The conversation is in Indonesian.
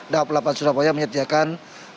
da'op delapan surabaya menyediakan